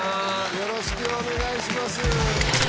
よろしくお願いします